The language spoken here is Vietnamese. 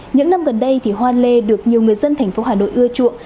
những năm gần đây thì hoa lê được nhiều người dân thành phố hà nội ưa chuộng